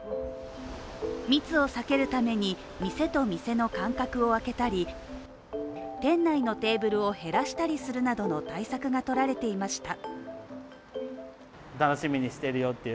密を避けるために、店と店の間隔を空けたり店内のテーブルを減らしたりするなどの対策が取られていましまた。